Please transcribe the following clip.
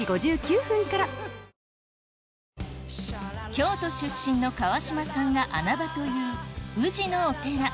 京都出身の川島さんが穴場という宇治のお寺